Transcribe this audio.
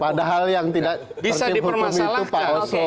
padahal yang tidak tertib hukum itu pak oso